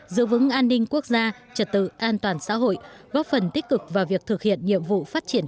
giữ vững an ninh quốc gia trật tự an toàn xã hội góp phần tích cực vào việc thực hiện nhiệm vụ phát triển